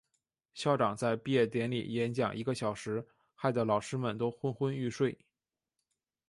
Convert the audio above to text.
校长在毕业典礼演讲一个小时，害得老师们都昏昏欲睡。